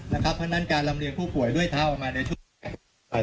เพราะฉะนั้นการรำเรียงผู้ป่วยด้วยเท่ามาในช่วง